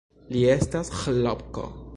Li estas Ĥlopko!